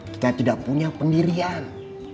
kita tidak punya pendirian